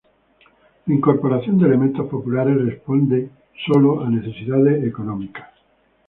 La incorporación de elementos populares responde solo a necesidades económicas.